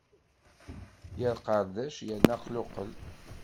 Yar qardac yerna aqluqel.